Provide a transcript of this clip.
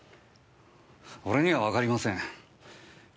俺にはわかりません。